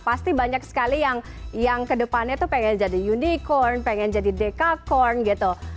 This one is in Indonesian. pasti banyak sekali yang ke depannya tuh pengen jadi unicorn pengen jadi dekacorn gitu